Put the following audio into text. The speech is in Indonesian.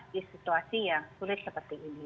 di situasi yang sulit seperti ini